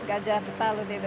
gajah betalut itu